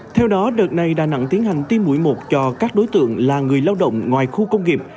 theo đó đợt này đà nẵng tiến hành tiêm mũi một cho các đối tượng là người lao động ngoài khu công nghiệp